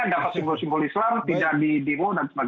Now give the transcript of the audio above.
dapat simbol simbol islam tidak di demo dan sebagainya